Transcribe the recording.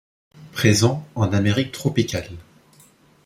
Présent en Amérique tropicale.